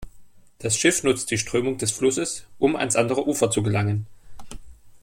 Das Schiff nutzt die Strömung des Flusses, um ans andere Ufer zu gelangen.